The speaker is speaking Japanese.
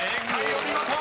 お見事］